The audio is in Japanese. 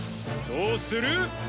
どうする？